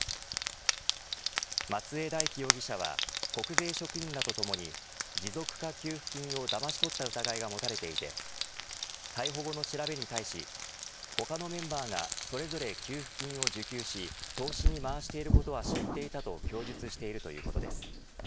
松江大樹容疑者は国税職員らとともに持続化給付金をだまし取った疑いが持たれていて逮捕後の調べに対し他のメンバーがそれぞれ給付金を受給し投資に回していることは知っていたと供述しているということです。